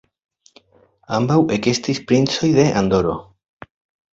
Ambaŭ ekestis princoj de Andoro.